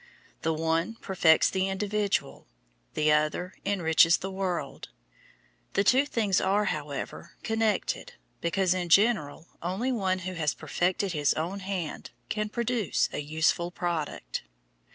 The one perfects the individual, the other enriches the world; the two things are, however, connected because, in general, only one who has perfected his own hand can produce a useful product.